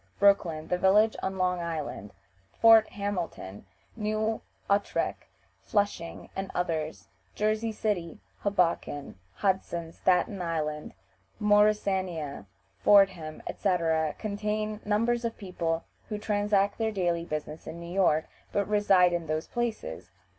Brooklyn, the villages on Long Island, Fort Hamilton, New Utrecht, Flushing, and others; Jersey City, Hoboken, Hudson, Staten Island, Morrisania, Fordham, etc., contain numbers of people who transact their daily business in New York, but reside in those places.